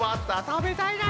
食べたいな！